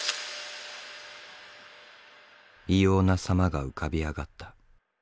異様な様が浮かび上がった。